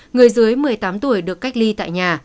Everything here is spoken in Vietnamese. người dưới một mươi tám tuổi được cách ly tại nhà